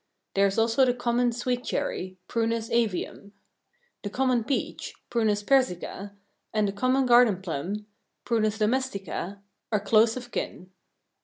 There is also the common sweet cherry (Prunus avium). The common peach (Prunus persica) and the common garden plum (Prunus domestica) are close of kin.